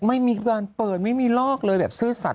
ไม่มีการเปิดไม่มีลอกเลยแบบซื่อสัต